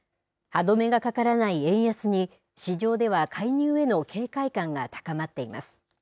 歯止めがかからない円安に、市場では介入への警戒感が高まっています。